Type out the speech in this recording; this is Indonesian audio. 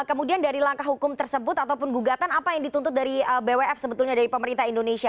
kemudian dari langkah hukum tersebut ataupun gugatan apa yang dituntut dari bwf sebetulnya dari pemerintah indonesia